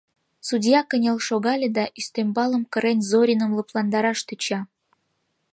Судья кынел шогале да, ӱстембалым кырен, Зориным лыпландараш тӧча.